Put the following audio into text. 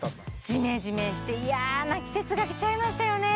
ジメジメしていやな季節が来ちゃいましたよねね